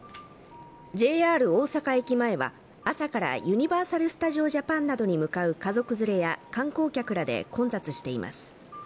ＪＲ大阪駅前は朝からユニバーサル・スタジオ・ジャパンなどに向かう家族連れや観光客らで混雑しています